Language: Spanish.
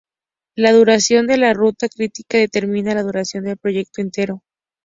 La duración de la ruta crítica determina la duración del proyecto entero.